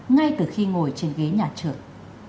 ngay từ khi ngồi trên ghế nhà trường